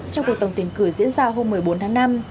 trong cuộc tổng tuyển cử diễn ra hôm một mươi bốn tháng năm